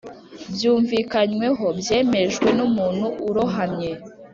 byumvikanyweho, byemejwe numuntu urohamye;